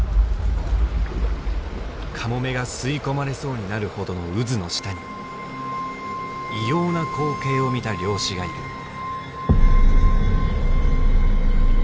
カモメが吸い込まれそうになるほどの渦の下に異様な光景を見た漁師がいる。